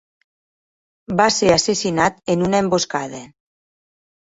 Va ser assassinat en una emboscada.